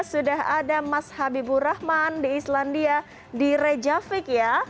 sudah ada mas habibur rahman di islandia di rejavik ya